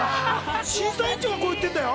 審査委員長がこう言ってんだよ。